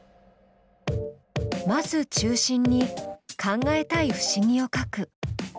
まず中心に考えたい不思議を書く。